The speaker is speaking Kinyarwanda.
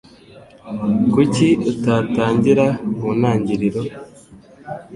Kuki utatangira mu ntangiriro